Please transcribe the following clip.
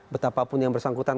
betapapun yang bersangkutan